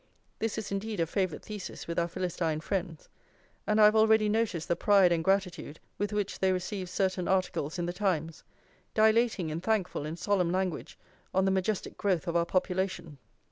This is indeed a favourite thesis with our Philistine friends, and I have already noticed the pride and gratitude with which they receive certain articles in The Times, dilating in thankful and solemn language on the majestic growth of our population.